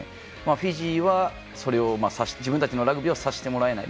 フィジーは自分たちのラグビーをさせてもらえない。